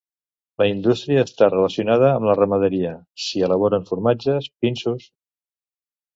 La indústria està relacionada amb la ramaderia, s'hi elaboren formatges, pinsos.